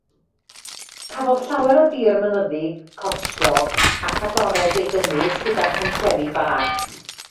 Cafodd llawer o dir mynyddig, corsiog ac agored ei gynnwys gyda'r pentrefi bach.